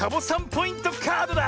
ポイントカードだ！